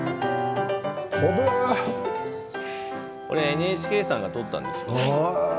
ＮＨＫ さんが撮ったんですか？